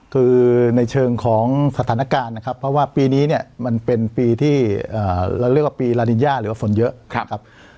คือในเชิงของสถานการณ์นะครับเพราะว่าปีนี้เนี่ยมันเป็นปีที่เราเรียกว่าปีลาดินย่าหรือว่าฝนเยอะนะครับ